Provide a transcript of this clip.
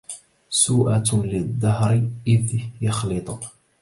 سوءة للدهر إذ يخلط